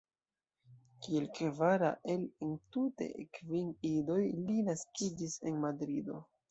Kiel kvara el entute kvin idoj li naskiĝis en Madrido.